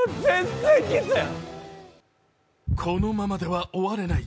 このままでは終われない。